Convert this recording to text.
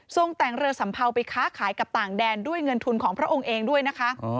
แต่งเรือสัมเภาไปค้าขายกับต่างแดนด้วยเงินทุนของพระองค์เองด้วยนะคะ